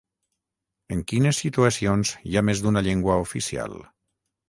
En quines situacions hi ha més d’una llengua oficial?